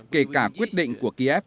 kể cả quyết định của kiev